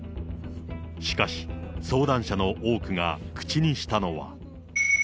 しかし、相談者の多くが口にしたのは。